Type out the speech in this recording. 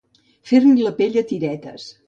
Fer-li la pell a tiretes.